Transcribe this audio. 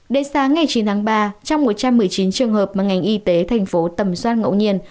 đến sáng ngày chín tháng ba trong một trăm một mươi chín trường hợp mà ngành y tế thành phố tầm soát ngẫu nhiên